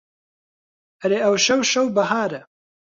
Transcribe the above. ئەرێ ئەوشەو شەو بەهارە